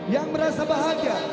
yang merasa bahagia